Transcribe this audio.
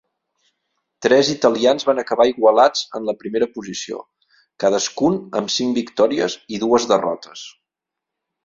Tres italians van acabar igualats en la primera posició, cadascun amb cinc victòries i dues derrotes.